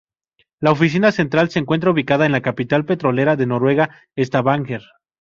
La oficina central se encuentra ubicada en la capital petrolera de Noruega, Stavanger.